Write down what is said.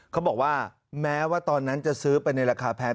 เขาบอกว่าแม้ว่าตอนนั้นจะซื้อไปในราคาแพง